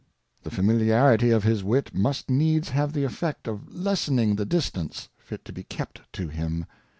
The Familiarity of his Wit must needs have the Effect of lessening the Distance fit to be kept to him.